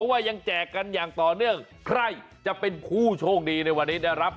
ว่ายังแจกกันอย่างต่อเนื่องใครจะเป็นผู้โชคดีในวันนี้ได้รับ